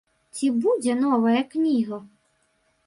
Ці будзе новая кніга?